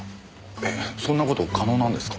えっそんな事可能なんですか？